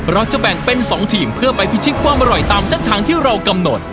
เราจะแบ่งเป็น๒ทีมเพื่อไปพิชิตความอร่อยตามเส้นทางที่เรากำหนด